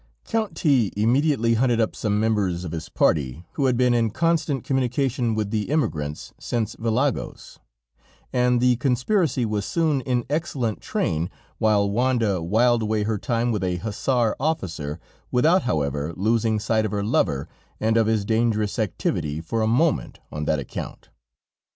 Count T immediately hunted up some members of his party, who had been in constant communication with the emigrants, since Vilagos, and the conspiracy was soon in excellent train, while Wanda whiled away her time with a hussar officer, without, however, losing sight of her lover and of his dangerous activity, for a moment, on that account.